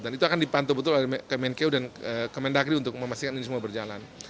dan itu akan dipantau betul oleh kemenkeu dan kemendakri untuk memastikan ini semua berjalan